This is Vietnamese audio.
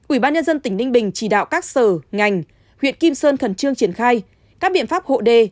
ubnd tỉnh ninh bình chỉ đạo các sở ngành huyện kim sơn khẩn trương triển khai các biện pháp hộ đê